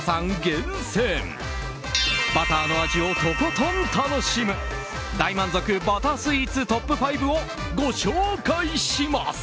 厳選バターの味をとことん楽しむ大満足バタースイーツトップ５をご紹介します！